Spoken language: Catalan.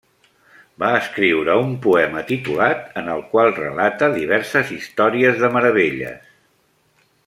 Va escriure un poema titulat en el qual relata diverses històries de meravelles.